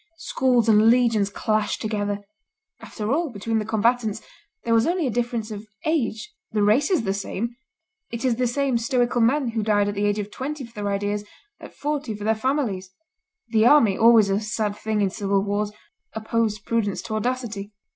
Schools and legions clashed together. After all, between the combatants, there was only a difference of age; the race is the same; it is the same stoical men who died at the age of twenty for their ideas, at forty for their families. The army, always a sad thing in civil wars, opposed prudence to audacity.